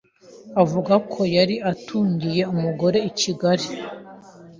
Avuga ko yari atungiye umugore i Kigali,